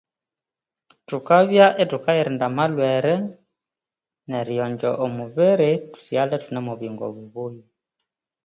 Thukabya ithukayirinda amalhwere neriyonza omubiri thusighale ithune omwa buyingo bubuya.